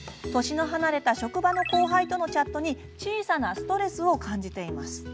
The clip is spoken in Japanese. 年の離れた職場の後輩とのチャットに小さなストレスを感じています。